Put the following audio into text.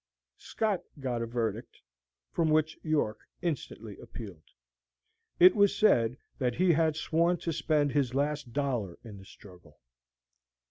Scott got a verdict, from which York instantly appealed. It was said that he had sworn to spend his last dollar in the struggle.